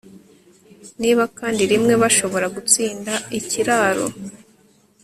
Niba kandi rimwe bashobora gutsinda ikiraro